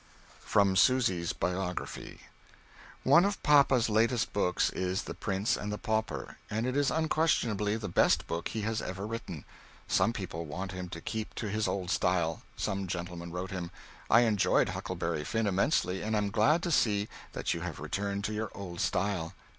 From Susy's Biography. One of papa's latest books is "The Prince and the Pauper" and it is unquestionably the best book he has ever written, some people want him to keep to his old style, some gentleman wrote him, "I enjoyed Huckleberry Finn immensely and am glad to see that you have returned to your old style."